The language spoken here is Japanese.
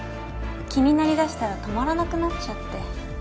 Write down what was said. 気になり出したら止まらなくなっちゃって。